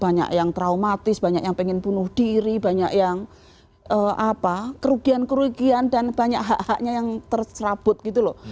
banyak yang traumatis banyak yang pengen bunuh diri banyak yang kerugian kerugian dan banyak hak haknya yang terserabut gitu loh